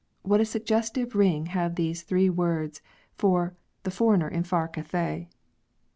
— What a suggestive ring have those three words for," the foreigner in far Cathay."''